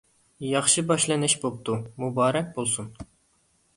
ياخشى باشلىنىش بوپتۇ، مۇبارەك بولسۇن.